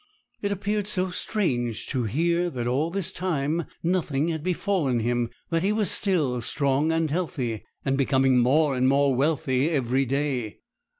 It appeared so strange to hear that all this time nothing had befallen him, that he was still strong and healthy, and becoming more and more wealthy every day.